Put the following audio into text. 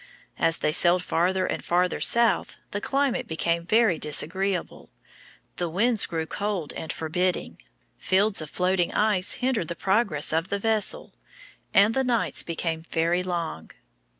As they sailed farther and farther south, the climate became very disagreeable. The winds grew cold and forbidding, fields of floating ice hindered the progress of the vessel, and the nights became very long.